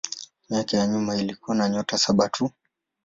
Miaka ya nyuma ilikuwa na nyota saba tu.